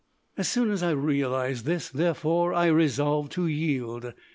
As soon as I realised this, therefore, I resolved to yield.